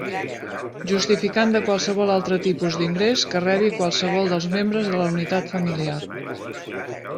Justificant de qualsevol altre tipus d'ingrés que rebi qualsevol dels membres de la unitat familiar.